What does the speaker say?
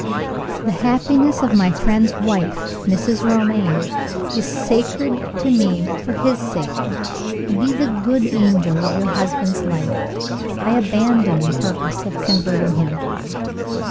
"The happiness of my friend's wife, Mrs. Romayne, is sacred to me for his sake. Be the good angel of your husband's life. I abandon the purpose of converting him."